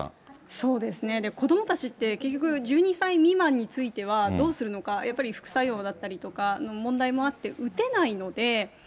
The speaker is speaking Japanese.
そうですね、子どもたちって、結局１２歳未満については、どうするのか、やっぱり副作用だったりとかの問題もあって、打てないので。